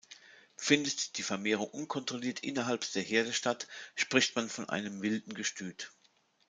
Findet die Vermehrung unkontrolliert innerhalb der Herde statt, spricht man von einem wilden Gestüt.